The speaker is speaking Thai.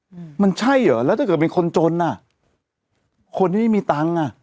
อืมมันใช่เหรอแล้วถ้าเกิดเป็นคนจนอ่ะคนที่ไม่มีตังค์อ่ะ